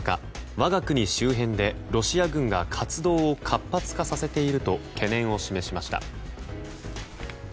我が国周辺でロシア軍が活動を活発化させていると懸念を示しました。